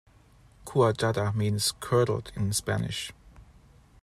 "Cuajada" means 'curdled' in Spanish.